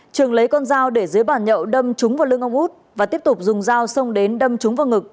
trường lấy con dao để dưới bàn nhậu đâm trúng vào lưng ông út và tiếp tục dùng dao xông đến đâm trúng vào ngực